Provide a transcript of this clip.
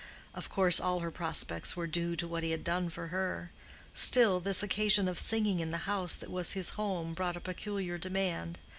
Of course all her prospects were due to what he had done for her; still, this occasion of singing in the house that was his home brought a peculiar demand.